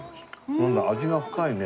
なんだ味が深いね。